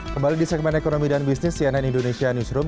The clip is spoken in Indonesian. kembali di segmen ekonomi dan bisnis cnn indonesia newsroom